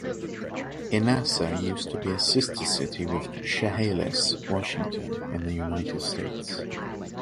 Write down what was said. Inasa used to be a sister city with Chehalis, Washington, in the United States.